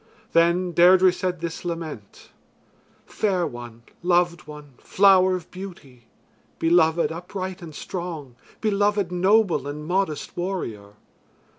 Then Deirdre said this lament: "Fair one, loved one, flower of beauty; beloved upright and strong; beloved noble and modest warrior.